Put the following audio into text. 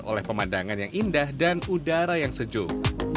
oleh pemandangan yang indah dan udara yang sejuk